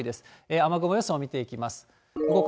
雨雲予想を見ていきます。